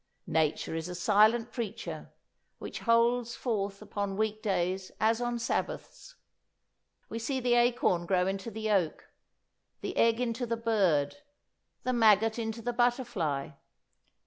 Nature is a silent preacher which holds forth upon week days as on Sabbaths. We see the acorn grow into the oak, the egg into the bird, the maggot into the butterfly.